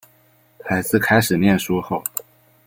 孩子开始念书后